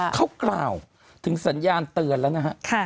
เขากล่าวถึงสัญญาณเตือนแล้วนะฮะ